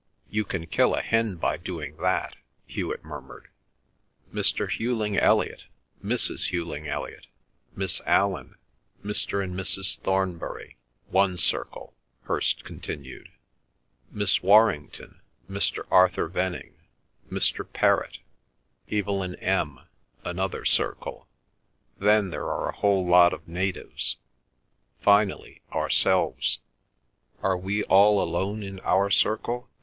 ("You can kill a hen by doing that"), Hewet murmured. "Mr. Hughling Elliot, Mrs. Hughling Elliot, Miss Allan, Mr. and Mrs. Thornbury—one circle," Hirst continued. "Miss Warrington, Mr. Arthur Venning, Mr. Perrott, Evelyn M. another circle; then there are a whole lot of natives; finally ourselves." "Are we all alone in our circle?"